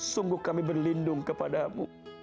sungguh kami berlindung kepada mu